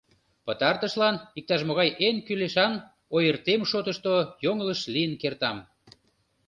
Пытартышлан, иктаж-могай эн кӱлешан ойыртем шотышто йоҥылыш лийын кертам.